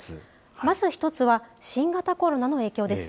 まず１つは新型コロナの影響です。